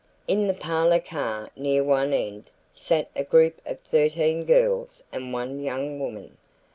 In the parlor car near one end sat a group of thirteen girls and one young woman.